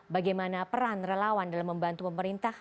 bagaimana peran relawan dalam membantu pemerintah